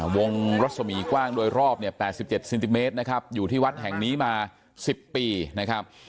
วงรัศมีกว้างโดยรอบเนี่ย๘๗เซนติเมตรนะครับอยู่ที่วัดแห่งนี้มา๑๐ปีนะครับ